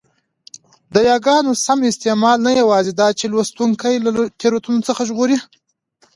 د یاګانو سم استعمال نه یوازي داچي لوستوونکی له تېروتنو څخه ژغوري؛